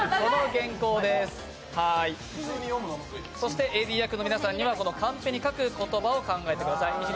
そしてＡＤ役の皆さんはカンペに書く言葉を考えてください。